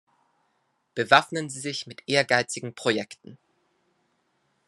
Bewaffnen Sie sich mit ehrgeizigen Projekten.